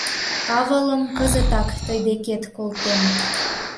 Павылым кызытак тый декет колтем!